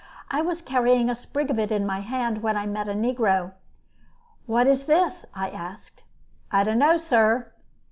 I was carrying a sprig of it in my hand when I met a negro. "What is this?" I asked. "I dunno, sir."